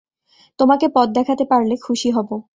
তোমাকে পথ দেখাতে পারলে খুশি হব।